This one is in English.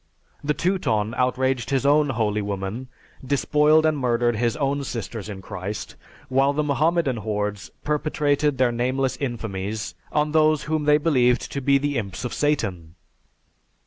The Teuton outraged his own 'holy women,' despoiled and murdered his own 'sisters in Christ,' while the Mohammedan hordes perpetrated their nameless infamies on those whom they believed to be the imps of Satan.